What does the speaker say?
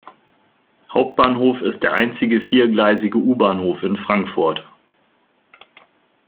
Hauptbahnhof ist der einzige viergleisige U-Bahnhof in Frankfurt.